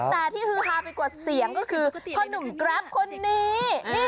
แต่ที่กระทางไปกว่าเสียงก็คือพ่อนุ่มกราฟคนนี้